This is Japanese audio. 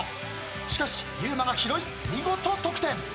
しかしゆうまが拾い見事得点。